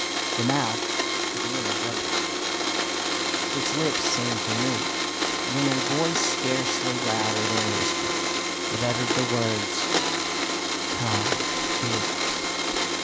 The mouth of the image opened, its lips seemed to move, and in a voice scarcely louder than a whisper, it uttered the words —" Time is